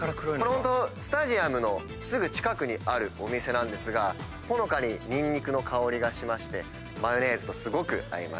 これスタジアムのすぐ近くにあるお店なんですがほのかにニンニクの香りがしましてマヨネーズとすごく合います。